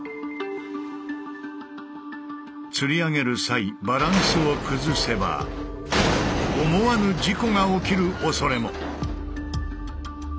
つり上げる際バランスを崩せば思わぬ事故が起きるおそれも。